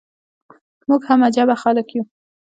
موږ هم عجبه خلک يو.